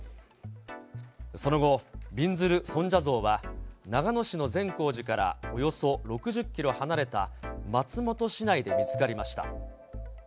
その後、びんずる尊者像は長野市の善光寺からおよそ６０キロ離れた松本市内で見つかりました。